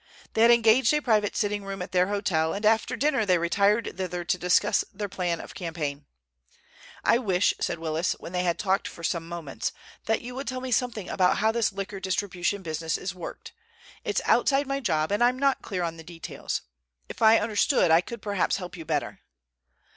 They had engaged a private sitting room at their hotel, and after dinner they retired thither to discuss their plan of campaign. "I wish," said Willis, when they had talked for some moments, "that you would tell me something about how this liquor distribution business is worked. It's outside my job, and I'm not clear on the details. If I understood I could perhaps help you better."